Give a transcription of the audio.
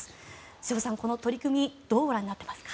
瀬尾さん、この取り組みどうご覧になっていますか。